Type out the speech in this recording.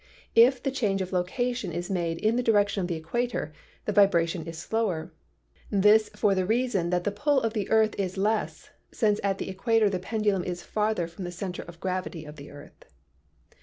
If the change of location is made in the direction of the equator the vibration is slower; this for the reason that the pull of the earth is less, since at the equator the pendulum is farther from the center of gravity of the earth.